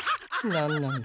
なんなんだ？